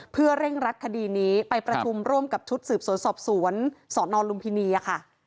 เพื่อเร่งรัดคดีนี้ไปประชุมร่วมกับชุดสืบสวนสอบสวนสนลุมพินีค่ะ